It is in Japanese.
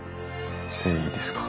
誠意ですか。